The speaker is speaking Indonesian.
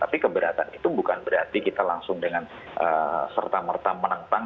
tapi keberatan itu bukan berarti kita langsung dengan serta merta menentang